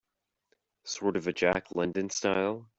Sort of a Jack London style?